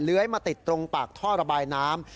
มาติดตรงปากท่อระบายน้ำ